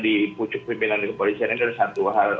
dipucuk pimpinan kepolisian ini adalah